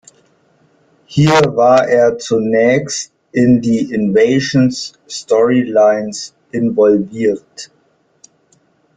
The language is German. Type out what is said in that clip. Hier war er zunächst in die Invasions-Storylines involviert.